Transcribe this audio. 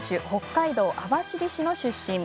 北海道網走市の出身。